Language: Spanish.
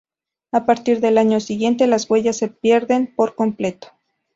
A partir del año siguiente las huellas se pierden por completo.